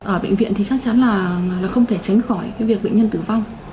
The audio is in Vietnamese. ở bệnh viện thì chắc chắn là không thể tránh khỏi cái việc bệnh nhân tử vong